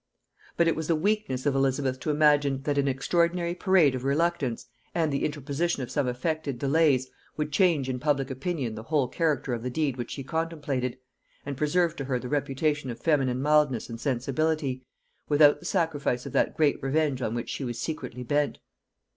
But it was the weakness of Elizabeth to imagine, that an extraordinary parade of reluctance, and the interposition of some affected delays, would change in public opinion the whole character of the deed which she contemplated, and preserve to her the reputation of feminine mildness and sensibility, without the sacrifice of that great revenge on which she was secretly bent.